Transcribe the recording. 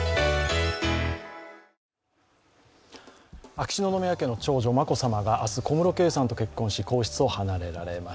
秋篠宮家の長女・眞子さまが明日小室圭さんと結婚し皇室を離れられます。